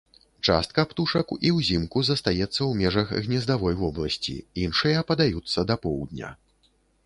Частка птушак і ўзімку застаецца ў межах гнездавой вобласці, іншыя падаюцца да поўдня.